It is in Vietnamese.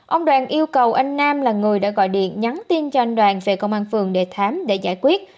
ông đoàn yêu cầu anh nam là người đã gọi điện nhắn tin cho anh đoàn về công an phường để khám để giải quyết